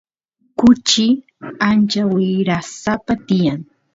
kuchi ancha wirasapa tiyan